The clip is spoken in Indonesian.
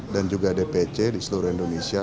dan juga dpc di seluruh indonesia